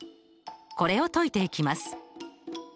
これを解いていきます。